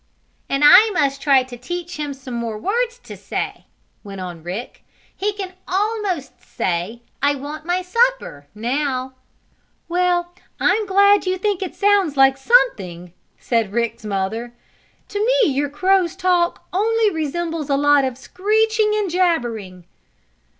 "And I must try to teach him some more words to say," went on Rick. "He can almost say 'I want my supper' now." "Well, I'm glad you think it sounds like something," said Rick's mother. "To me your crow's talk only resembles a lot of screeching and jabbering."